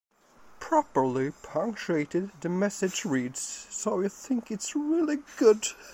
Properly punctuated, the message reads: So you think it's really good?